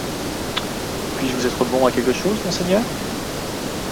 Puis-je vous être bon à quelque chose, monseigneur ?